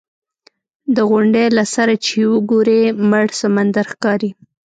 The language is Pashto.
د غونډۍ له سره چې وګورې مړ سمندر ښکاري.